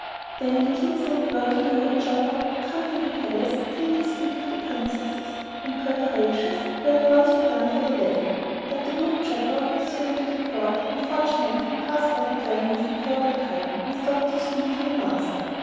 Then the King sent word to the wood chopper to come to the palace and take his pick of the princesses, and preparations were at once begun for the wedding. But the wood chopper, on his way to the court, unfortunately passed by the dwelling of the Purple Dragon and stopped to speak to the monster.